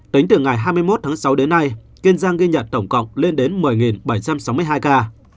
tính từ ngày hai mươi một tháng sáu đến nay kiên giang ghi nhận tổng cộng lên đến một mươi bảy trăm sáu mươi hai ca